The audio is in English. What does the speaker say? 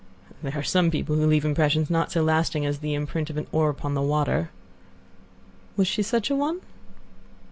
"There are some people who leave impressions not so lasting as the imprint of an oar upon the water." "Was she such a one?"